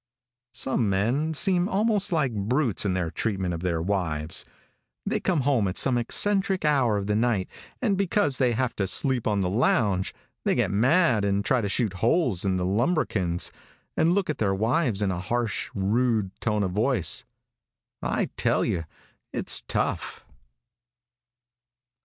Some men seem almost like brutes in their treatment of their wives. They come home at some eccentric hour of the night, and because they have to sleep on the lounge, they get mad and try to shoot holes in the lambrequins, and look at their wives in a harsh, rude tone of voice. I tell you it's tough.